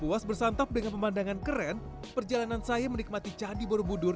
puas bersantap dengan pemandangan keren perjalanan saya menikmati candi borobudur